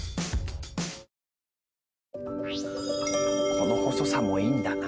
この細さもいいんだな。